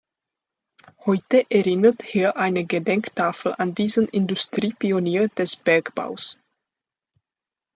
Heute erinnert hier eine Gedenktafel an diesen Industriepionier des Bergbaus.